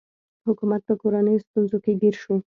حکومت په کورنیو ستونزو کې ګیر شو.